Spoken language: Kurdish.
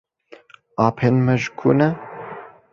Apên me ji ku ne?